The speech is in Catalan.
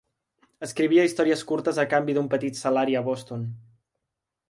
Escrivia històries curtes a canvi d'un petit salari a Boston.